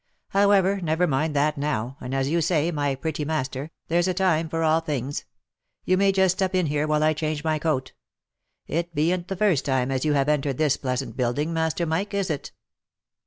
However, never mind that now, as you say, my pretty master ; there's a time for all things. You may just step in here while I change my coat. It bean't the first time as you have entered this pleasant building, Master Mike, is it?"